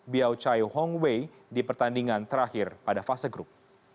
biao chai hongwei di pertandingan terakhir pada fase grup